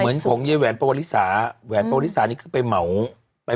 เหมือนของเยลวัลล์ปราวริสาแวลล์ปราวริสานี่คือไปเหมา